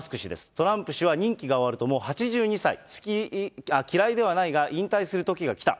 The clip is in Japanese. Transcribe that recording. トランプ氏は任期が終わるともう８２歳、嫌いではないが、引退するときが来た。